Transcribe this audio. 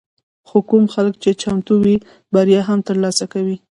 خو کوم خلک چې چمتو وي، بریا هم ترلاسه کوي.